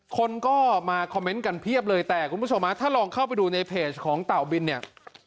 คนก็มาคอมเมนต์กันเพียบเลยแต่คุณผู้ชมฮะถ้าลองเข้าไปดูในเพจของเต่าบินเนี่ย